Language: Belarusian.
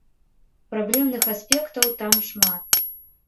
Праблемных аспектаў там шмат.